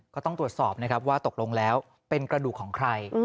ก็ต้องตรวจสอบนะครับว่าตกลงแล้วเป็นกระดูกของใคร